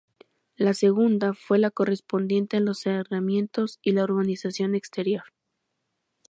La segunda fue la correspondiente a los cerramientos y a la urbanización exterior.